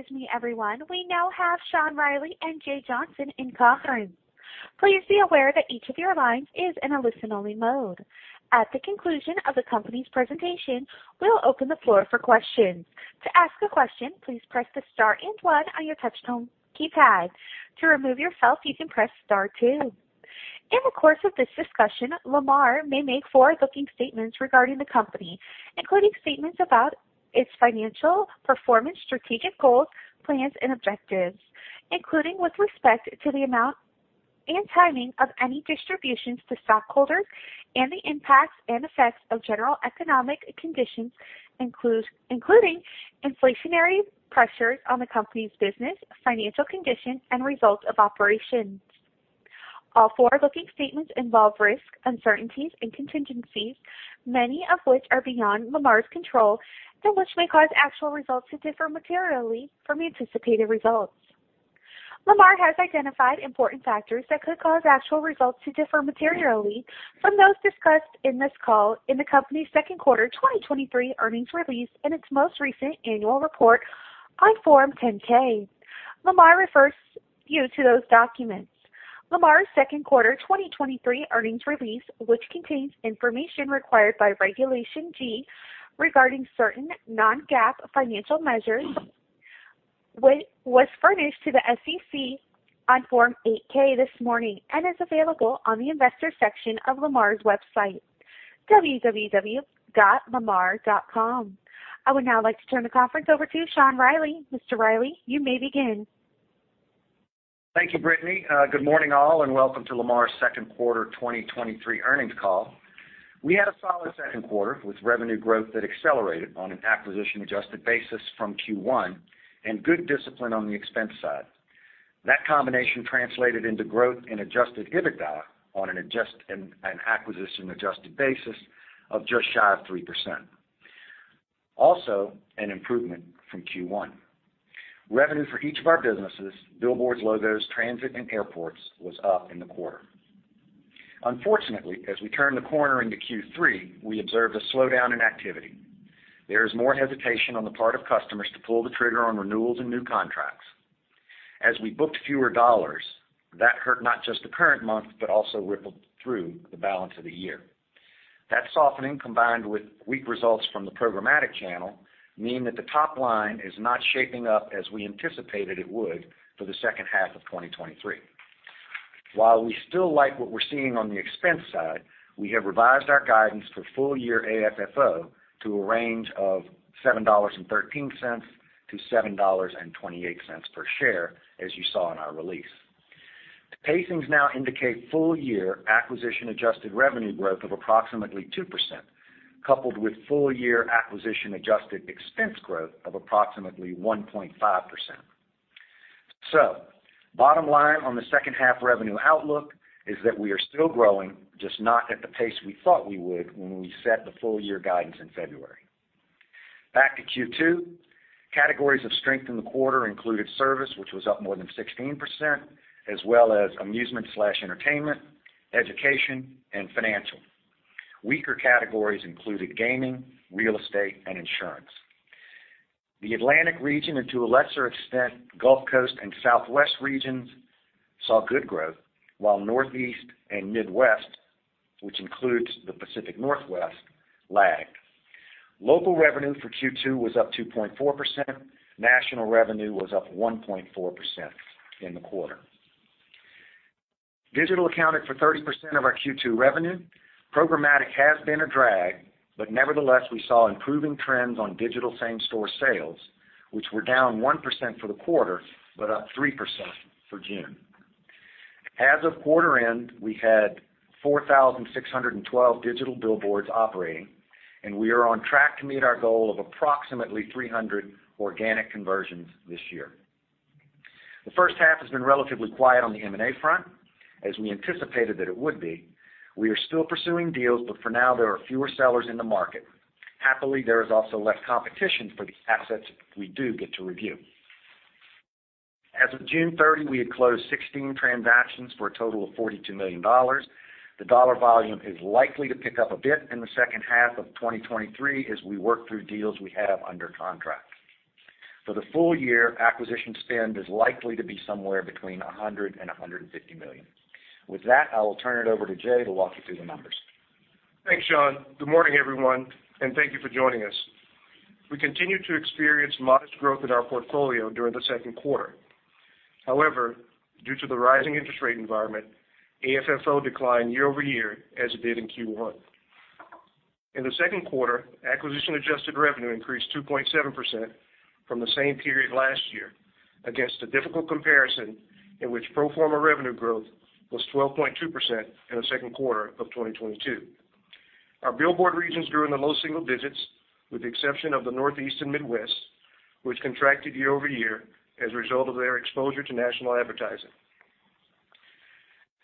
Excuse me, everyone. We now have Sean Reilly and Jay Johnson in conference. Please be aware that each of your lines is in a listen-only mode. At the conclusion of the company's presentation, we'll open the floor for questions. To ask a question, please press the star and one on your touchtone keypad. To remove yourself, you can press star two. In the course of this discussion, Lamar may make forward-looking statements regarding the company, including statements about its financial performance, strategic goals, plans, and objectives, including with respect to the amount and timing of any distributions to stockholders and the impacts and effects of general economic conditions, including inflationary pressures on the company's business, financial condition, and results of operations. All forward-looking statements involve risks, uncertainties and contingencies, many of which are beyond Lamar's control, and which may cause actual results to differ materially from anticipated results. Lamar has identified important factors that could cause actual results to differ materially from those discussed in this call in the company's second quarter 2023 earnings release and its most recent annual report on Form 10-K. Lamar refers you to those documents. Lamar's second quarter 2023 earnings release, which contains information required by Regulation G regarding certain non-GAAP financial measures, was furnished to the SEC on Form 8-K this morning and is available on the Investors section of Lamar's website, www.lamar.com. I would now like to turn the conference over to Sean Reilly. Mr. Reilly, you may begin. Thank you, Brittany. Good morning, all, welcome to Lamar's Second Quarter 2023 Earnings Call. We had a solid second quarter, with revenue growth that accelerated on an acquisition-adjusted basis from Q1 and good discipline on the expense side. That combination translated into growth in Adjusted EBITDA on an acquisition-adjusted basis of just shy of 3%. Also, an improvement from Q1. Revenue for each of our businesses, billboards, logos, transit, and airports, was up in the quarter. Unfortunately, as we turn the corner into Q3, we observed a slowdown in activity. There is more hesitation on the part of customers to pull the trigger on renewals and new contracts. As we booked fewer dollars, that hurt not just the current month, but also rippled through the balance of the year. That softening, combined with weak results from the programmatic channel, mean that the top line is not shaping up as we anticipated it would for the second half of 2023. While we still like what we're seeing on the expense side, we have revised our guidance for full year AFFO to a range of $7.13-$7.28 per share, as you saw in our release. The pacings now indicate full year acquisition-adjusted revenue growth of approximately 2%, coupled with full year acquisition-adjusted expense growth of approximately 1.5%. Bottom line on the second half revenue outlook is that we are still growing, just not at the pace we thought we would when we set the full year guidance in February. Back to Q2, categories of strength in the quarter included service, which was up more than 16%, as well as amusement/entertainment, education, and financial. Weaker categories included gaming, real estate, and insurance. The Atlantic region, and to a lesser extent, Gulf Coast and Southwest regions, saw good growth, while Northeast and Midwest, which includes the Pacific Northwest, lagged. Local revenue for Q2 was up 2.4%. National revenue was up 1.4% in the quarter. Digital accounted for 30% of our Q2 revenue. Programmatic has been a drag, but nevertheless, we saw improving trends on digital same-store sales, which were down 1% for the quarter, but up 3% for June. As of quarter end, we had 4,612 digital billboards operating, and we are on track to meet our goal of approximately 300 organic conversions this year. The first half has been relatively quiet on the M&A front, as we anticipated that it would be. We are still pursuing deals. For now, there are fewer sellers in the market. Happily, there is also less competition for the assets we do get to review. As of June 30, we had closed 16 transactions for a total of $42 million. The dollar volume is likely to pick up a bit in the second half of 2023 as we work through deals we have under contract. For the full year, acquisition spend is likely to be somewhere between $100 million and $150 million. With that, I will turn it over to Jay to walk you through the numbers. Thanks, Sean. Good morning, everyone. Thank you for joining us. We continued to experience modest growth in our portfolio during the second quarter. However, due to the rising interest rate environment, AFFO declined year-over-year, as it did in Q1. In the second quarter, acquisition-adjusted revenue increased 2.7% from the same period last year, against a difficult comparison in which pro forma revenue growth was 12.2% in the second quarter of 2022. Our billboard regions grew in the low single digits, with the exception of the Northeast and Midwest, which contracted year-over-year as a result of their exposure to national advertising.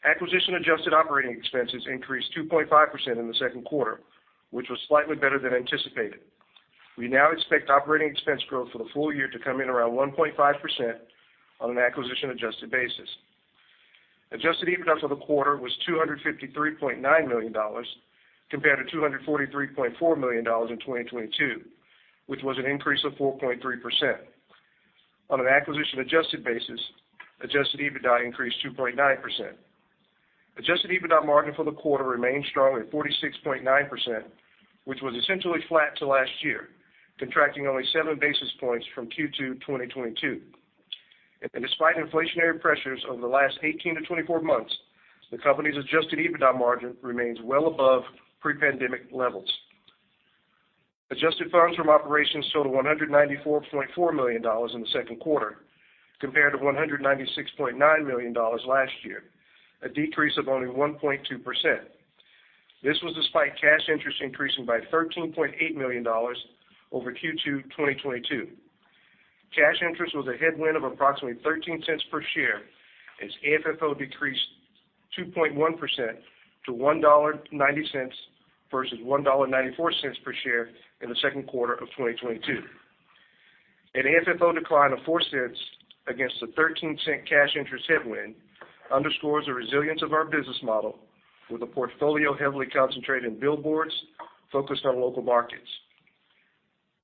Acquisition-adjusted operating expenses increased 2.5% in the second quarter, which was slightly better than anticipated. We now expect OpEx growth for the full year to come in around 1.5% on an acquisition-adjusted basis. Adjusted EBITDA for the quarter was $253.9 million, compared to $243.4 million in 2022, which was an increase of 4.3%. On an acquisition-adjusted basis, Adjusted EBITDA increased 2.9%. Adjusted EBITDA margin for the quarter remained strong at 46.9%, which was essentially flat to last year, contracting only 7 basis points from Q2 2022. Despite inflationary pressures over the last 18-24 months, the company's Adjusted EBITDA margin remains well above pre-pandemic levels. Adjusted funds from operations totaled $194.4 million in the second quarter, compared to $196.9 million last year, a decrease of only 1.2%. This was despite cash interest increasing by $13.8 million over Q2 2022. Cash interest was a headwind of approximately $0.13 per share, as AFFO decreased 2.1% to $1.90 versus $1.94 per share in the second quarter of 2022. An AFFO decline of $0.04 against the $0.13 cash interest headwind underscores the resilience of our business model with a portfolio heavily concentrated in billboards focused on local markets.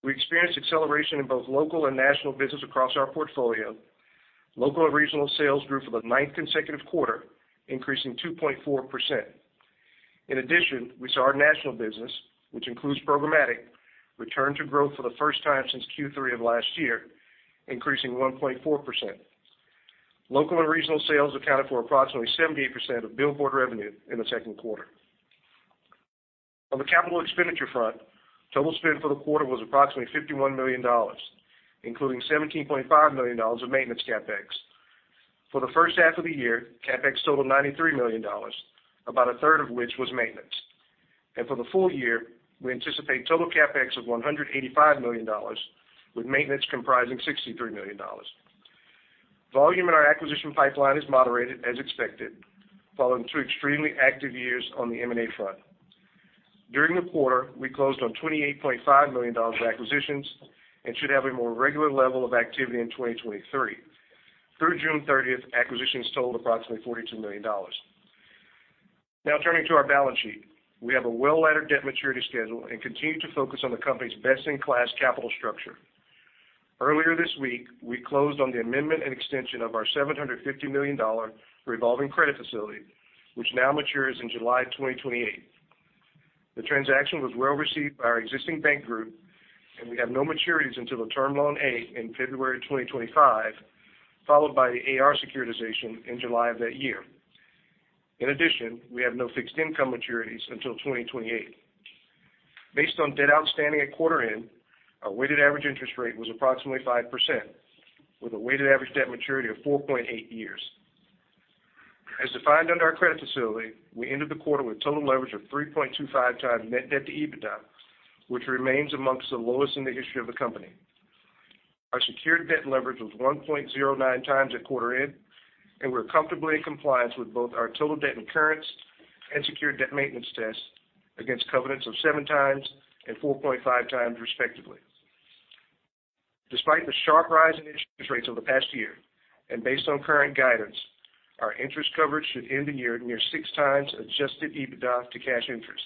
We experienced acceleration in both local and national business across our portfolio. Local and regional sales grew for the ninth consecutive quarter, increasing 2.4%. In addition, we saw our national business, which includes programmatic, return to growth for the first time since Q3 of last year, increasing 1.4%. Local and regional sales accounted for approximately 78% of billboard revenue in the second quarter. On the capital expenditure front, total spend for the quarter was approximately $51 million, including $17.5 million of maintenance CapEx. For the first half of the year, CapEx totaled $93 million, about a third of which was maintenance. For the full year, we anticipate total CapEx of $185 million, with maintenance comprising $63 million. Volume in our acquisition pipeline has moderated as expected, following two extremely active years on the M&A front. During the quarter, we closed on $28.5 million of acquisitions and should have a more regular level of activity in 2023. Through June 30, acquisitions totaled approximately $42 million. Now turning to our balance sheet. We have a well-laddered debt maturity schedule and continue to focus on the company's best-in-class capital structure. Earlier this week, we closed on the amendment and extension of our $750 million revolving credit facility, which now matures in July 2028. The transaction was well received by our existing bank group, and we have no maturities until the Term Loan A in February 2025, followed by the A/R securitization in July of that year. In addition, we have no fixed income maturities until 2028. Based on debt outstanding at quarter end, our weighted average interest rate was approximately 5%, with a weighted average debt maturity of 4.8 years. As defined under our credit facility, we ended the quarter with total leverage of 3.25x net debt-to-EBITDA, which remains amongst the lowest in the history of the company. Our secured debt leverage was 1.09x at quarter end. We're comfortably in compliance with both our total debt incurrence and secured debt maintenance tests against covenants of 7x and 4.5x respectively. Despite the sharp rise in interest rates over the past year, based on current guidance, our interest coverage should end the year near 6x Adjusted EBITDA to cash interest.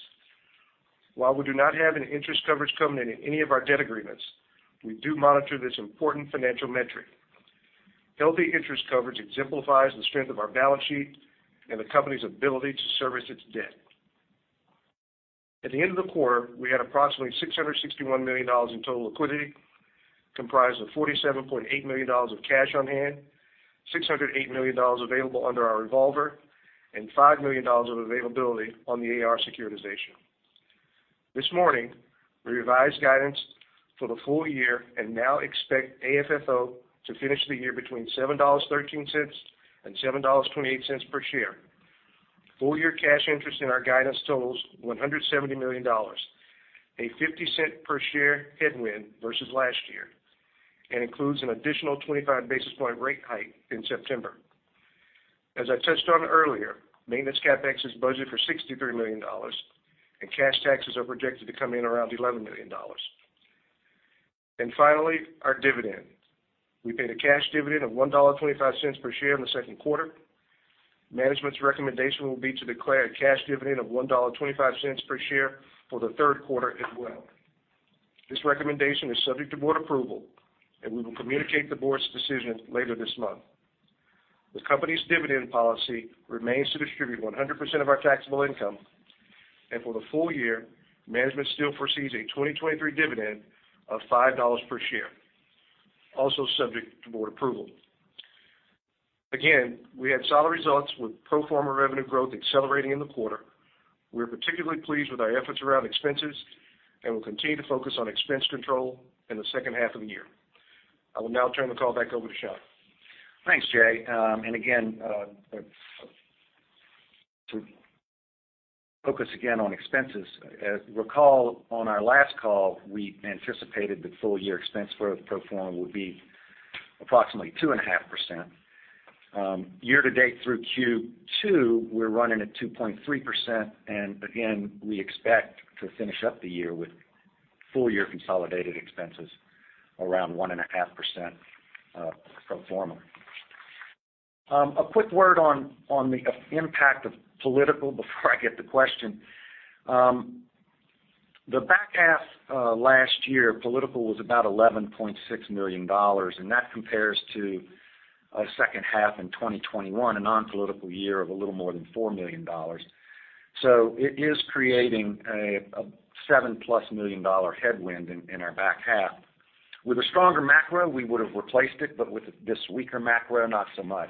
While we do not have an interest coverage covenant in any of our debt agreements, we do monitor this important financial metric. Healthy interest coverage exemplifies the strength of our balance sheet and the company's ability to service its debt. At the end of the quarter, we had approximately $661 million in total liquidity, comprised of $47.8 million of cash on hand, $608 million available under our revolver, and $5 million of availability on the A/R securitization. This morning, we revised guidance for the full year and now expect AFFO to finish the year between $7.13 and $7.28 per share. Full-year cash interest in our guidance totals $170 million, a $0.50 per share headwind versus last year, and includes an additional 25 basis point rate hike in September. As I touched on earlier, maintenance CapEx is budgeted for $63 million, and cash taxes are projected to come in around $11 million. Finally, our dividend. We paid a cash dividend of $1.25 per share in the second quarter. Management's recommendation will be to declare a cash dividend of $1.25 per share for the third quarter as well. This recommendation is subject to board approval, and we will communicate the board's decision later this month. The company's dividend policy remains to distribute 100% of our taxable income, and for the full year, management still foresees a 2023 dividend of $5 per share, also subject to board approval. Again, we had solid results with pro forma revenue growth accelerating in the quarter. We're particularly pleased with our efforts around expenses and will continue to focus on expense control in the second half of the year. I will now turn the call back over to Sean. Thanks, Jay. And again, to focus again on expenses, recall, on our last call, we anticipated that full-year expense growth pro forma would be approximately 2.5%. Year-to-date through Q2, we're running at 2.3%, and again, we expect to finish up the year with full year consolidated expenses around 1.5%, pro forma. A quick word on, on the impact of political before I get the question. The back half, last year, political was about $11.6 million, and that compares to a second half in 2021, a non-political year of a little more than $4 million. It is creating a, a +$7 million headwind in, in our back half. With a stronger macro, we would have replaced it, but with this weaker macro, not so much.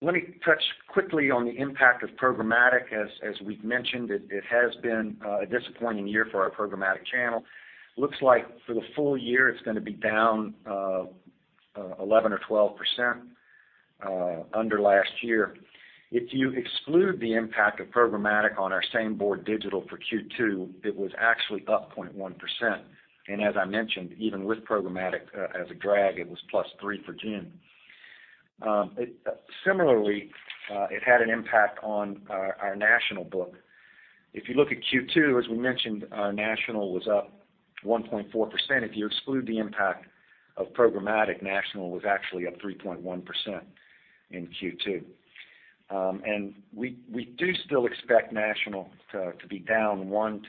Let me touch quickly on the impact of programmatic. As, as we've mentioned, it, it has been a disappointing year for our programmatic channel. Looks like for the full year, it's going to be down 11% or 12% under last year. If you exclude the impact of programmatic on our same board digital for Q2, it was actually up 0.1%. As I mentioned, even with programmatic as a drag, it was +3% for June. Similarly, it had an impact on our National book. If you look at Q2, as we mentioned, our National was up 1.4%. If you exclude the impact of programmatic, National was actually up 3.1% in Q2. We, we do still expect National to, to be down 1%-2%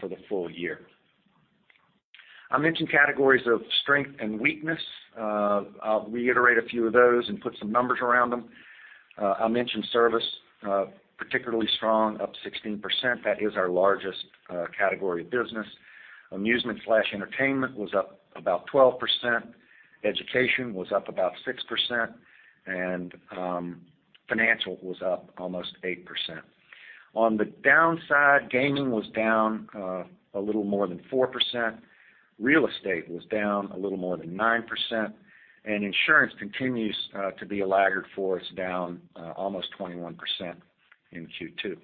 for the full year. I mentioned categories of strength and weakness. I'll reiterate a few of those and put some numbers around them. I mentioned service, particularly strong, up 16%. That is our largest category of business. Amusement/entertainment was up about 12%. Education was up about 6%, and financial was up almost 8%. On the downside, gaming was down a little more than 4%. Real estate was down a little more than 9%, and insurance continues to be a laggard for us, down almost 21% in Q2.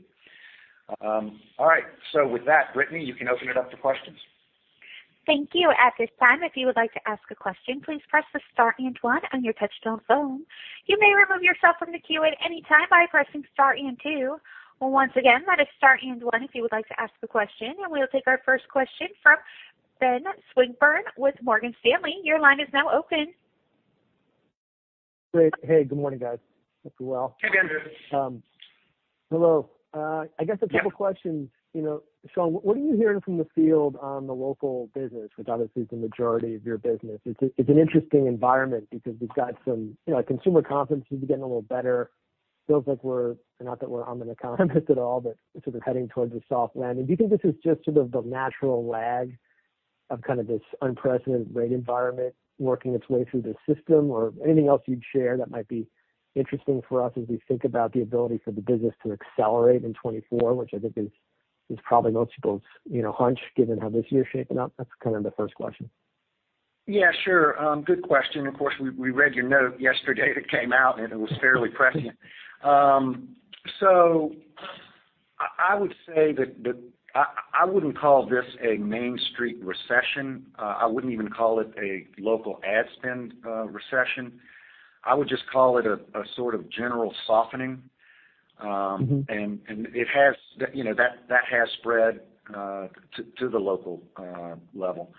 All right. With that, Brittany, you can open it up to questions. Thank you. At this time, if you would like to ask a question, please press the star and one on your touch-tone phone. You may remove yourself from the queue at any time by pressing star and two. Once again, that is star and one if you would like to ask a question. We'll take our first question from Ben Swinburne with Morgan Stanley. Your line is now open. Great. Hey, good morning, guys. Hope you're well. Hey, Ben. Hello. I guess a couple questions. You know, Sean, what are you hearing from the field on the local business, which obviously is the majority of your business? It's an interesting environment because we've got some, you know, consumer confidence seems to be getting a little better. Feels like we're, not that we're on the economist at all, but sort of heading towards a soft landing. Do you think this is just sort of the natural lag of kind of this unprecedented rate environment working its way through the system? Anything else you'd share that might be interesting for us as we think about the ability for the business to accelerate in 2024, which I think is, is probably multiples, you know, hunch, given how this year is shaping up. That's kind of the first question. Yeah, sure. Good question. Of course, we, we read your note yesterday that came out, and it was fairly prescient. I, I would say that I, I wouldn't call this a Main Street recession. I wouldn't even call it a local ad spend, recession. I would just call it a, a sort of general softening. And, and it has, you know, that, that has spread to, to the local level.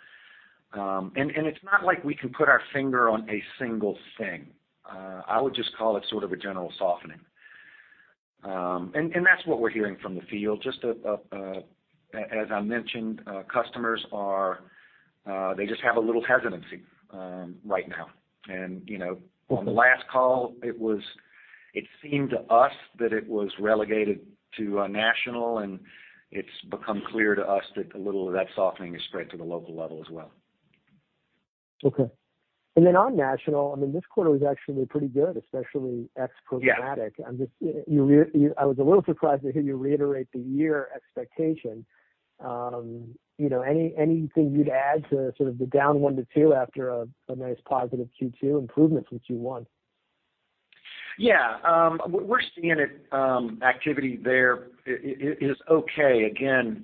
And, and it's not like we can put our finger on a single thing. I would just call it sort of a general softening. And, and that's what we're hearing from the field. Just, as I mentioned, customers are, they just have a little hesitancy right now. And, you know, on the last call, it seemed to us that it was relegated to National, and it's become clear to us that a little of that softening is spread to the local level as well. Okay. Then on National, I mean, this quarter was actually pretty good, especially ex programmatic. I'm just, I was a little surprised to hear you reiterate the year expectation. You know, anything you'd add to sort of the down 1% to 2% after a, a nice positive Q2 improvement from Q1? Yeah. We're seeing it, activity there is okay. Again,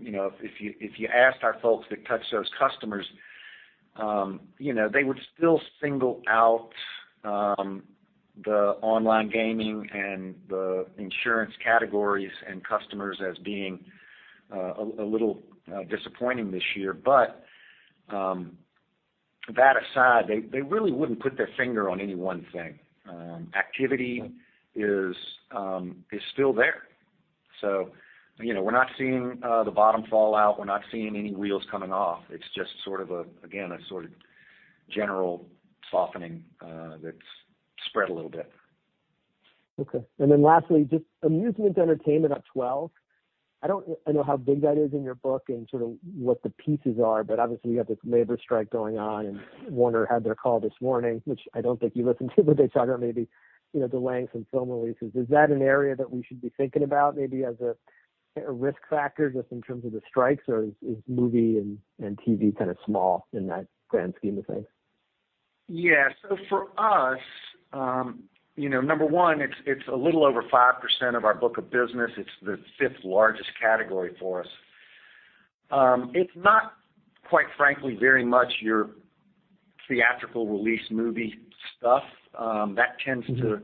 you know, if you, if you asked our folks that touch those customers, you know, they would still single out the online gaming and the insurance categories and customers as being a little disappointing this year. That aside, they, they really wouldn't put their finger on any one thing. Activity is still there. You know, we're not seeing the bottom fall out. We're not seeing any wheels coming off. It's just sort of a, again, a sort of general softening that's spread a little bit. Okay. Then lastly, just amusement/entertainment at 12%. I don't know how big that is in your book and sort of what the pieces are, but obviously, you have this labor strike going on, and Warner had their call this morning, which I don't think you listened to, but they talked about maybe, you know, delaying some film releases. Is that an area that we should be thinking about, maybe as a, a risk factor, just in terms of the strikes, or is, is movie and, and TV kind of small in that grand scheme of things? Yeah. For us, you know, number one, it's, it's a little over 5% of our book of business. It's the fifth largest category for us. It's not, quite frankly, very much your theatrical release movie stuff. That tends to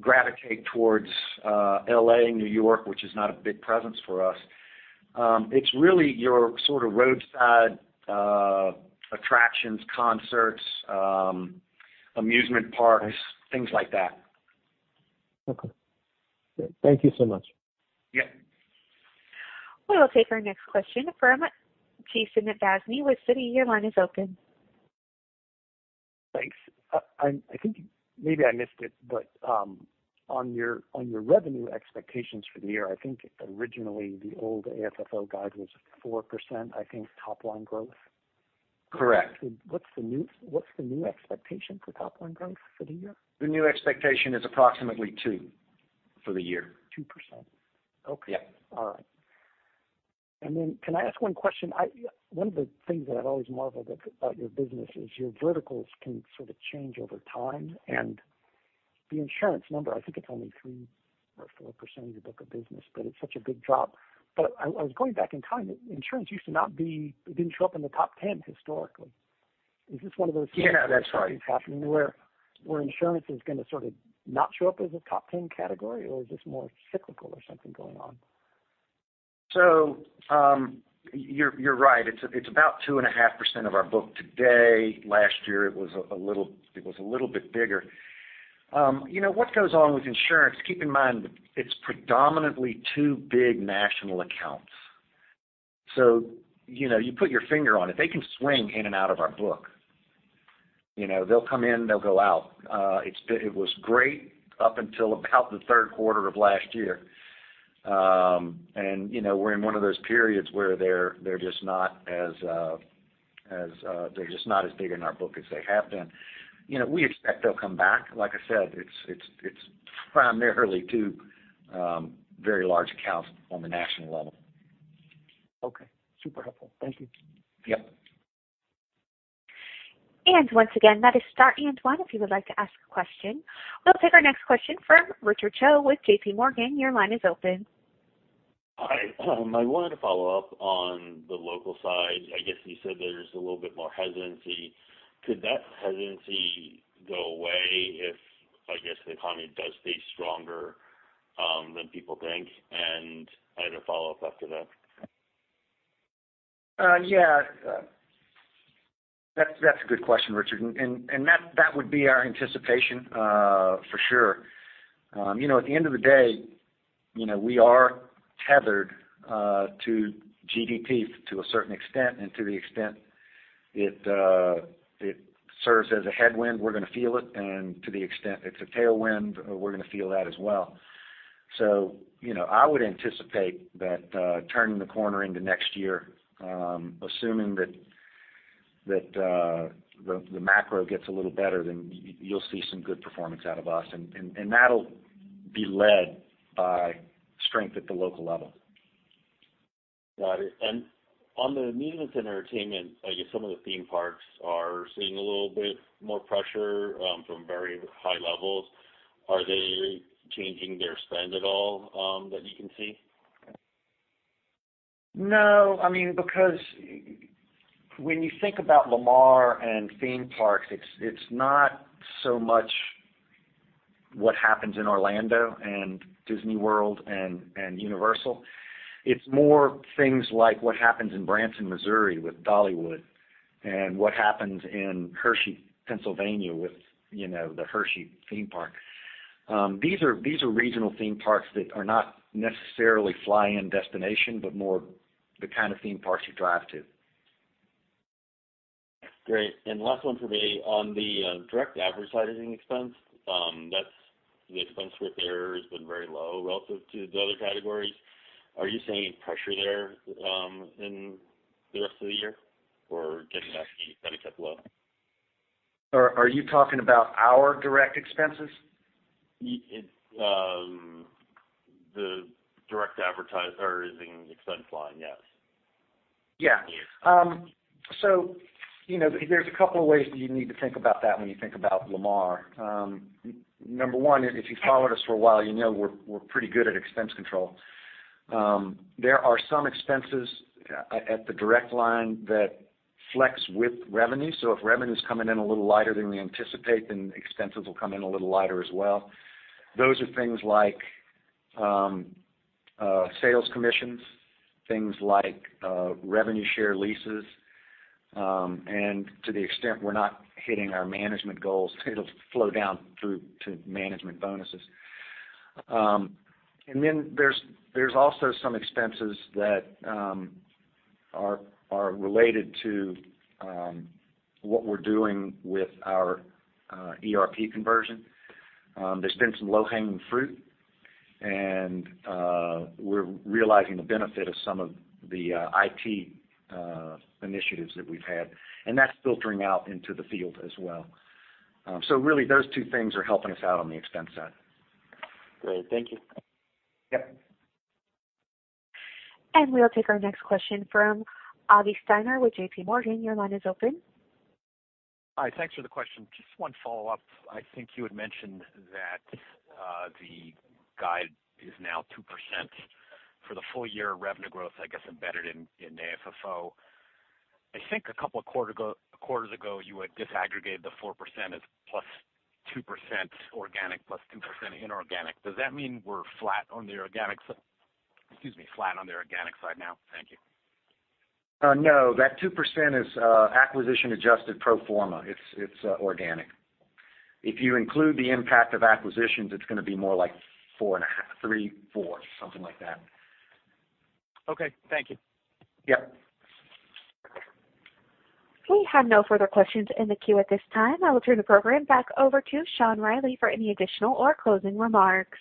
gravitate towards L.A., New York, which is not a big presence for us. It's really your sort of roadside attractions, concerts, amusement parks, things like that. Okay. Thank you so much. Yeah. We will take our next question from Jason Bazinet with Citi. Your line is open. Thanks. I, I think maybe I missed it, but on your, on your revenue expectations for the year, I think originally, the old AFFO guide was 4%, I think, top line growth. Correct. What's the new, what's the new expectation for top line growth for the year? The new expectation is approximately 2% for the year. 2%? Yep. Okay. All right. Then can I ask one question? One of the things that I've always marveled at about your business is your verticals can sort of change over time, and the insurance number, I think it's only 3% or 4% of your book of business, but it's such a big drop. I, I was going back in time. Insurance used to not be, it didn't show up in the top 10 historically. Is this one of those things- Yeah, that's right. where, where insurance is gonna sort of not show up as a top 10 category, or is this more cyclical or something going on? You're, you're right. It's, it's about 2.5% of our book today. Last year, it was a little, it was a little bit bigger. You know, what goes on with insurance, keep in mind, it's predominantly two big national accounts. You know, you put your finger on it. They can swing in and out of our book. You know, they'll come in, they'll go out. It's been... It was great up until about the third quarter of last year. You know, we're in one of those periods where they're, they're just not as, they're just not as big in our book as they have been. You know, we expect they'll come back. Like I said, it's, it's, it's primarily two, very large accounts on the national level. Okay, super helpful. Thank you. Yep. Once again, that is star and one, if you would like to ask a question. We'll take our next question from Richard Choe with JPMorgan. Your line is open. Hi, I wanted to follow up on the local side. I guess you said there's a little bit more hesitancy. Could that hesitancy go away if, I guess, the economy does stay stronger, than people think? I had a follow-up after that. Yeah. That's, that's a good question, Richard. That, that would be our anticipation for sure. You know, at the end of the day, you know, we are tethered to GDP to a certain extent, and to the extent it serves as a headwind, we're gonna feel it, and to the extent it's a tailwind, we're gonna feel that as well. You know, I would anticipate that turning the corner into next year, assuming that, that the, the macro gets a little better, then you, you'll see some good performance out of us, and, and, and that'll be led by strength at the local level. Got it. On the amusement /entertainment, I guess some of the theme parks are seeing a little bit more pressure from very high levels. Are they changing their spend at all that you can see? No, I mean, when you think about Lamar and theme parks, it's, it's not so much what happens in Orlando and Disney World and Universal. It's more things like what happens in Branson, Missouri, with Dollywood, and what happens in Hershey, Pennsylvania, with, you know, the Hershey theme park. These are, these are regional theme parks that are not necessarily fly-in destination, but more the kind of theme parks you drive to. Great. Last one for me. On the direct advertising expense, that's the expense where there has been very low relative to the other categories. Are you seeing any pressure there in the rest of the year, or getting asking that it kept low? Are you talking about our direct expenses? The direct advertise- or the expense line, yes. Yeah. Yes. You know, there's a couple of ways that you need to think about that when you think about Lamar. Number one, if you've followed us for a while, you know we're, we're pretty good at expense control. There are some expenses at, at the direct line that flex with revenue. If revenue is coming in a little lighter than we anticipate, then expenses will come in a little lighter as well. Those are things like sales commissions, things like revenue share leases, and to the extent we're not hitting our management goals, it'll flow down through to management bonuses. Then there's, there's also some expenses that are related to what we're doing with our ERP conversion. There's been some low-hanging fruit, and we're realizing the benefit of some of the IT initiatives that we've had, and that's filtering out into the field as well. Really, those two things are helping us out on the expense side. Great. Thank you. Yep. We'll take our next question from Avi Steiner with JPMorgan. Your line is open. Hi, thanks for the question. Just one follow-up. I think you had mentioned that, the guide is now 2% for the full year revenue growth, I guess, embedded in, in AFFO. I think a couple of quarters ago, you had disaggregated the 4% as +2% organic, +2% inorganic. Does that mean we're flat on the organic side? Excuse me, flat on the organic side now. Thank you. No, that 2% is acquisition-adjusted pro forma. It's, it's organic. If you include the impact of acquisitions, it's gonna be more like 4.5%, 3%, 4%, something like that. Okay. Thank you. Yep. We have no further questions in the queue at this time. I will turn the program back over to Sean Reilly for any additional or closing remarks.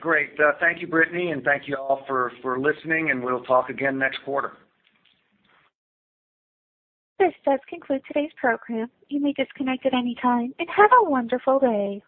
Great. Thank you, Brittany, and thank you all for, for listening, and we'll talk again next quarter. This does conclude today's program. You may disconnect at any time, and have a wonderful day.